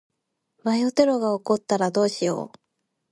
バイオテロが起こったらどうしよう。